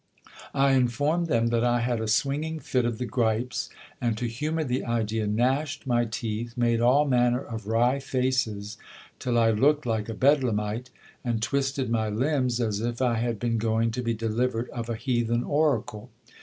I informed them that I had a swinging fit of the gripes, and to humour the idea, gnashed my teeth, made all manner of wry faces till I looked like a bedlamite, and twisted my limbs as if I had been going to be delivered of a heathen oracle.